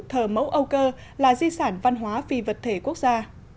thờ mẫu âu cơ là di sản văn hóa phi vật thể quốc gia